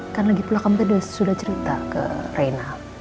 kan lagi pula kamu tadi sudah cerita ke rena